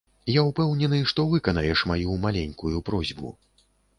Я ўпэўнены, што выканаеш маю маленькую просьбу.